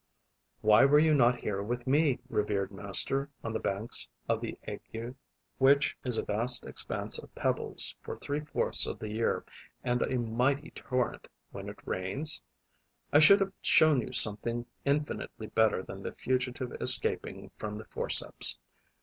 Why were you not here with me, revered master, on the banks of the Aygues, which is a vast expanse of pebbles for three fourths of the year and a mighty torrent when it rains? I should have shown you something infinitely better than the fugitive escaping from the forceps.